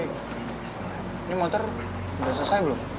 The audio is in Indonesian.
ini motor sudah selesai belum